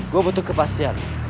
gue butuh kepastian